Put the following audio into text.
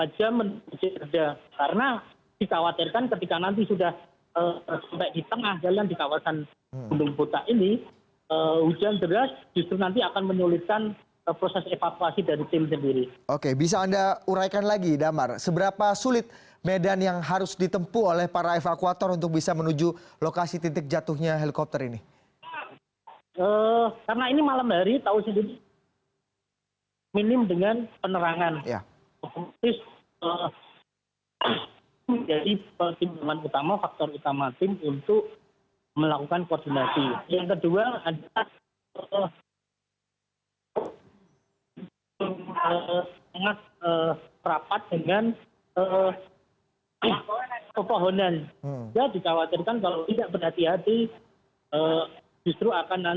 jangan lupa like share dan subscribe channel ini untuk dapat info terbaru